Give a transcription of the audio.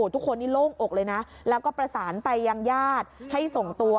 ทุกคนนี้โล่งอกเลยนะแล้วก็ประสานไปยังญาติให้ส่งตัว